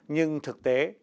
nhưng thực tế